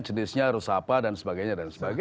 jenisnya harus apa dan sebagainya